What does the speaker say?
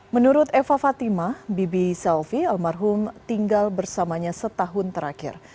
menurut eva fatimah bibi selvi almarhum tinggal bersamanya setahun terakhir